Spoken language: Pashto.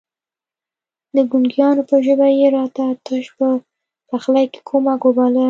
د ګونګيانو په ژبه يې راتګ تش په پخلي کې کمک وباله.